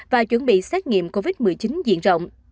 và chuẩn bị xét nghiệm covid một mươi chín diện rộng